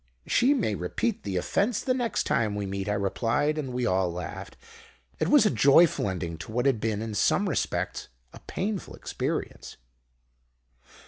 "'She may repeat the offence the next time we meet,' I replied; and we all laughed. "It was a joyful ending to what had been, in some respects, a painful experience."